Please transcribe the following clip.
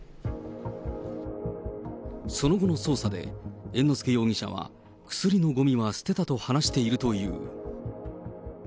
その後の捜査で、猿之助容疑者は、薬のごみは捨てたと話しているという。